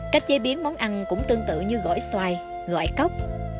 cách chế biến món ăn cũng tương tự như gỏi xoài gỏi cốc